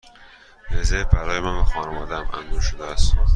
رزرو برای من و خانواده ام انجام شده است.